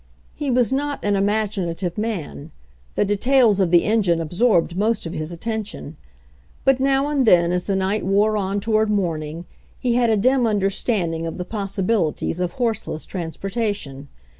He was not an imaginative man — the details of the engine absorbed most of his at tention — but now and then as the night wore on toward morning he had a dim understanding of the possibilities of horseless transportation.